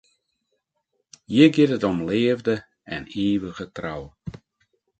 Hjir giet it om leafde en ivige trou.